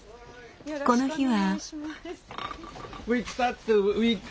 この日は。